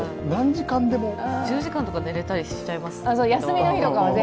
１０時間とか寝れたりしちゃいます。